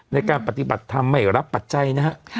ในการปฏิบัติธรรมไม่รับปัจจัยนะฮะ